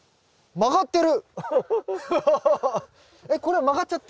曲がってる！